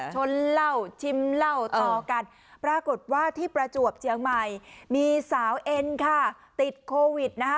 ชนเหล้าชิมเหล้าต่อกันปรากฏว่าที่ประจวบเจียงใหม่มีสาวเอ็นค่ะติดโควิดนะคะ